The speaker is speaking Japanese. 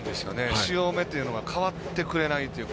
潮目というのが変わってくれないというか。